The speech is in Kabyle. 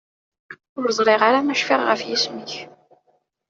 Ur ẓriɣ ara ma cfiɣ ɣef yisem-ik.